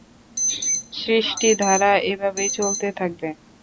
সৃষ্টিধারা এভাবেই চলতে থাকবে।